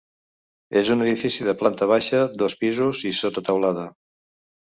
És un edifici de planta baixa, dos pisos i sotateulada.